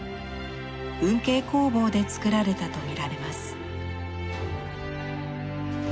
運慶工房でつくられたとみられます。